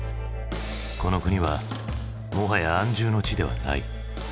この国はもはや安住の地ではない。